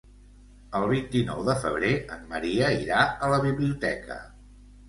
El vint-i-nou de febrer en Maria irà a la biblioteca.